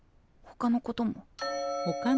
ほかのこと？